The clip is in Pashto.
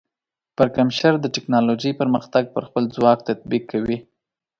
پرکمشر د ټیکنالوجۍ پرمختګ پر خپل ځواک تطبیق کوي.